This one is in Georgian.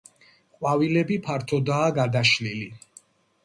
ყვავილები ფართოდაა გადაშლილი.